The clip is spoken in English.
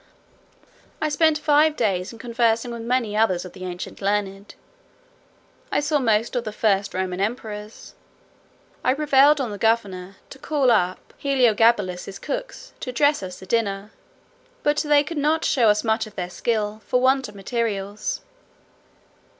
I spent five days in conversing with many others of the ancient learned. I saw most of the first Roman emperors. I prevailed on the governor to call up Heliogabalus's cooks to dress us a dinner, but they could not show us much of their skill, for want of materials.